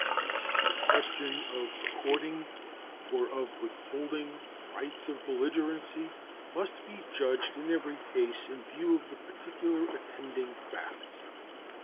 The question of according or of withholding rights of belligerency must be judged in every case in view of the particular attending facts.